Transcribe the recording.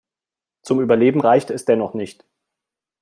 Zum Überleben reichte es dennoch nicht.